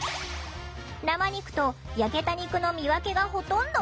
生肉と焼けた肉の見分けがほとんどつかない。